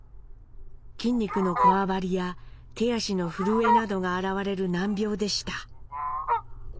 筋肉のこわばりや手足の震えなどが現れる難病でした。